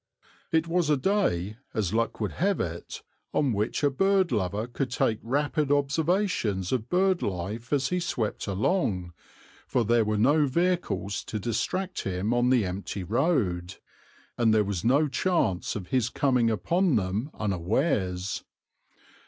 It was a day, as luck would have it, on which a bird lover could take rapid observations of bird life as he swept along, for there were no vehicles to distract him on the empty road, and there was no chance of his coming upon them unawares.